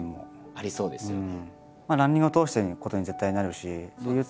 ありそうですよね。